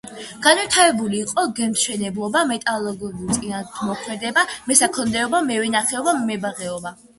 განვითარებული იყო გემთმშენებლობა, მეტალურგია მიწათმოქმედება, მესაქონლეობა, მევენახეობა, მებაღეობა.